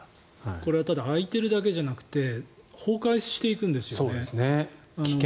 空いてるだけじゃなくて崩壊していくんですよね。